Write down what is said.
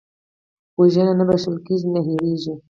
وژنه نه بښل کېږي، نه هېرېږي